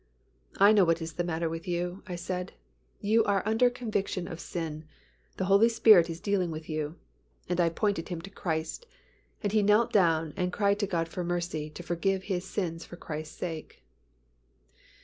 "I know what is the matter with you," I said. "You are under conviction of sin; the Holy Spirit is dealing with you," and I pointed him to Christ, and he knelt down and cried to God for mercy, to forgive his sins for Christ's sake.